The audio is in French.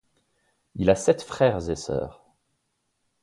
Il a sept frères et sœurs.